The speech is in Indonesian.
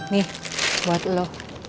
nih buat lo